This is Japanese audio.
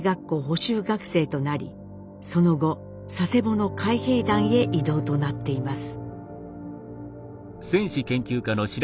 学生となりその後佐世保の海兵団へ移動となっています。